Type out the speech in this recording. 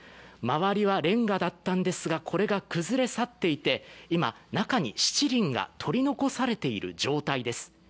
周りはれんがだったんですが、これが崩れ去っていて今、中にしちりんが取り残されている状態です。